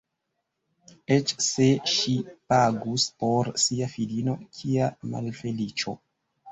Eĉ se ŝi pagus por sia filino, kia malfeliĉo!